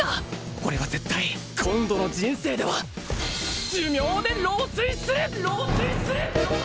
俺は絶対今度の人生では寿命で老衰する！